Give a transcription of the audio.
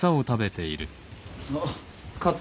あっ。